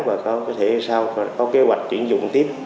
và có thể sau có kế hoạch chuyển dụng tiếp